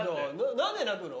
何で泣くの？